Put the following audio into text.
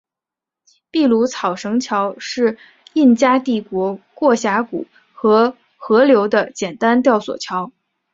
秘鲁草绳桥是印加帝国过峡谷和河流的简单吊索桥。